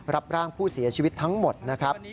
รับร่างผู้เสียชีวิตทั้งหมดนะครับ